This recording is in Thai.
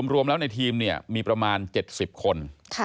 รวมแล้วในทีมเนี่ยมีประมาณ๗๐คน